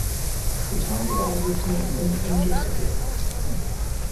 The town derives its name from the Saint Joseph River.